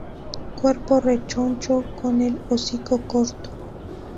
Cuerpo rechoncho con el hocico corto.